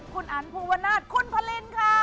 คุณอันภูวนาศคุณพลินค่ะ